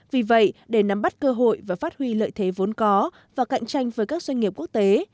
vì vậy để nắm bắt cơ hội và phát huy lợi thế vốn có và cạnh tranh với các doanh nghiệp quốc tế